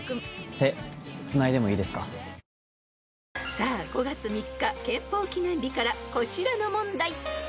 ［さあ５月３日憲法記念日からこちらの問題］